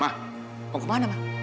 mau kemana ma